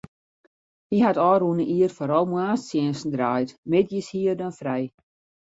Hy hat ôfrûne jier foaral moarnstsjinsten draaid, middeis hie er dan frij.